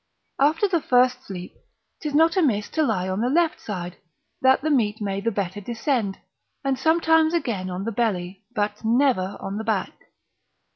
After the first sleep 'tis not amiss to lie on the left side, that the meat may the better descend; and sometimes again on the belly, but never on the back.